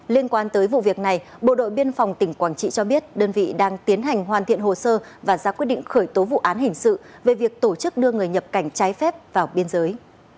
liên quan tới vụ việc này bộ đội biên phòng tỉnh quảng trị cho biết đơn vị đang tiến hành hoàn thiện hồ sơ và ra quyết định khởi tố vụ án hình sự về việc tổ chức đưa người nhập cảnh trái phép vào biên giới